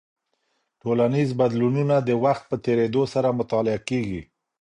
ټولنیز بدلونونه د وخت په تېرېدو سره مطالعه کیږي.